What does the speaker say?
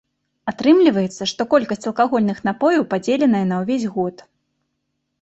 Атрымліваецца, што колькасць алкагольных напояў падзеленая на ўвесь год.